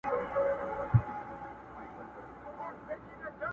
ټول اعمال یې له اسلام سره پیوند کړل!.